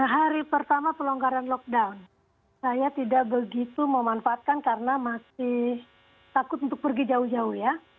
hari pertama pelonggaran lockdown saya tidak begitu memanfaatkan karena masih takut untuk pergi jauh jauh ya